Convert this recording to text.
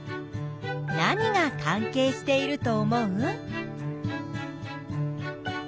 何が関係していると思う？